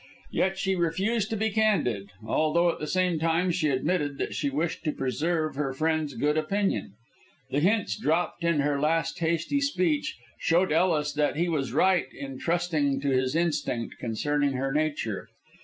Yet she refused to be candid, although at the same time she admitted that she wished to preserve her friend's good opinion. The hints dropped in her last hasty speech showed Ellis that he was right in trusting to his instinct concerning her nature.